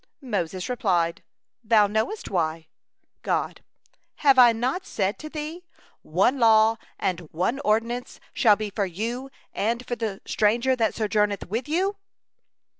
Moses replied: "Thou knowest why." God: "Have I not said to thee, 'One law and one ordinance shall be for you and for the stranger that sojourneth with you?'"